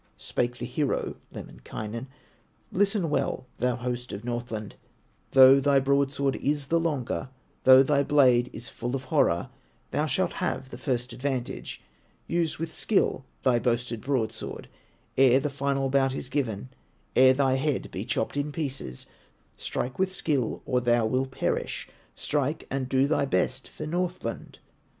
Spake the hero, Lemminkainen: "Listen well, thou host of Northland, Though thy broadsword is the longer, Though thy blade is full of horror, Thou shalt have the first advantage; Use with skill thy boasted broadsword Ere the final bout is given, Ere thy head be chopped in pieces; Strike with skill, or thou wilt perish, Strike, and do thy best for Northland."